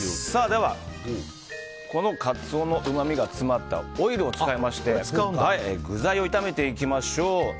では、このカツオのうまみが詰まったオイルを使いまして具材を炒めていきましょう。